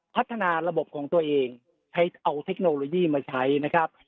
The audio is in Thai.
พัฒนาระบบของตัวเองใช้เอาเทคโนโลยีมาใช้นะครับ